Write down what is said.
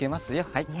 はい